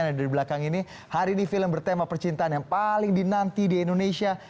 yang ada di belakang ini hari ini film bertema percintaan yang paling dinanti di indonesia